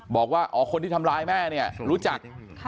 บอกว่าอ๋อคนที่ทำร้ายแม่เนี่ยรู้จัก